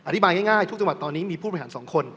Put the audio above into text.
อธิบายง่ายทุกจังหวัดตอนนี้มีผู้บริหาร๒คน